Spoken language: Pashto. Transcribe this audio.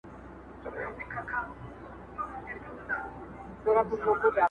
• زموږه دوو زړونه دي تل د محبت مخته وي.